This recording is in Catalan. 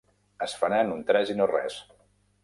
Es farà en un tres i no res.